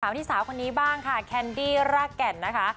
ที่สาวคนนี้บ้างค่ะแคนดี้รากแก่นนะคะ